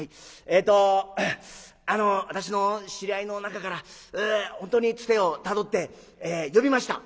えっと私の知り合いの中から本当にツテをたどって呼びました」。